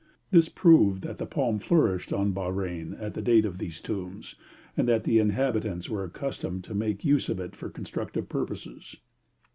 This proved that the palm flourished on Bahrein at the date of these tombs, and that the inhabitants were accustomed to make use of it for constructive purposes.